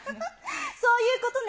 そういうことね。